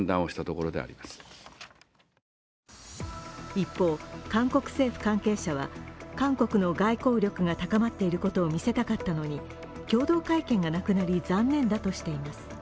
一方、韓国政府関係者は韓国の外交力が高まっていることを見せたかったのに共同会見がなくなり残念だとしています。